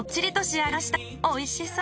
あぁおいしそう。